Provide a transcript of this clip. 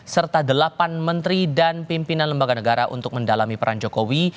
serta delapan menteri dan pimpinan lembaga negara untuk mendalami peran jokowi